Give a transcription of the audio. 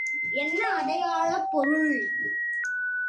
என்ன அடையாளப் பொருள்?